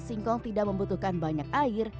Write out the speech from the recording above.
singkong tidak membutuhkan banyak air